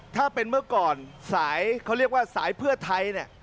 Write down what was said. ถ้าเป็นเมื่อก่อนสายเขาเรียกว่าสายเพื่อไทยเนี่ย